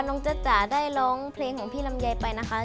จ๊ะจ๋าได้ร้องเพลงของพี่ลำไยไปนะคะ